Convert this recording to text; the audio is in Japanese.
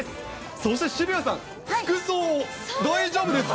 そして渋谷さん、服装、大丈夫ですか？